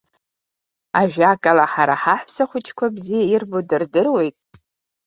Ажәакала, ҳара ҳаҳәсахәыҷқәа бзиа ирбо дырдыруеит.